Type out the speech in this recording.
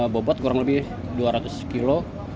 bobot kurang lebih dua ratus kilo